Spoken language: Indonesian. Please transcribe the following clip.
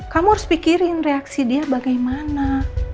kamu harus pikirin reaksi dia bagaimana